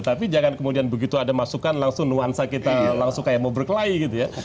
tapi jangan kemudian begitu ada masukan langsung nuansa kita langsung kayak mau berkelahi gitu ya